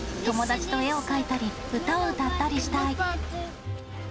友達と絵を描いたり、歌を歌ったりしたい。